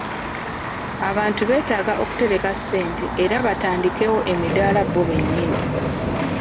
Abantu beetaaga okutereka ssente era batandikewo emidaala bo bennyini.